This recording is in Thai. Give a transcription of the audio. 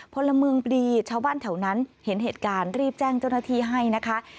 พลเมืองดีชาวบ้านแถวนั้นเห็นเหตุการณ์รีบแจ้งเจ้าหน้าที่ให้นะคะ